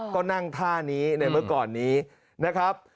ก็นั่งท่านี้ในเมื่อก่อนนี้นะครับ